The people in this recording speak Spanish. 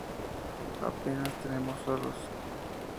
Apenas tenemos solos.